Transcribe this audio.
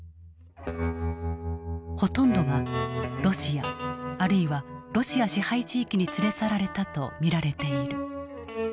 ほとんどがロシアあるいはロシア支配地域に連れ去られたと見られている。